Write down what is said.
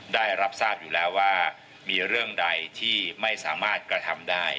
ได้รับทราบอยู่แล้วว่ามีเรื่องใดที่ไม่สามารถกระทำได้